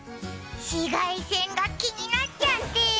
紫外線が気になっちゃって。